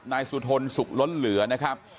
นายสุทนสุขล้นเหลือนะครับ